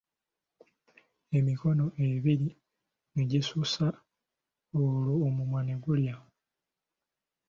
Emikono ebiri ne gisusa olwo omumwa ne gulya.